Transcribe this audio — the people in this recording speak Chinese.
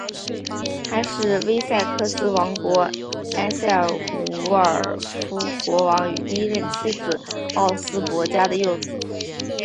他是威塞克斯王国埃塞尔伍尔夫国王与第一任妻子奥斯博嘉的幼子。